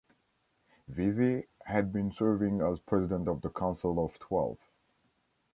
Veazey had been serving as president of the Council of Twelve.